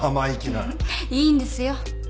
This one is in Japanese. いいんですよ。